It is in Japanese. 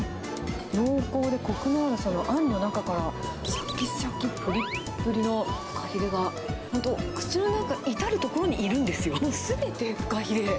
濃厚でこくのあるあんの中には、しゃきしゃき、ぷりっぷりのフカヒレが、本当、口の中至る所にいるんですよ、すべてフカヒレ。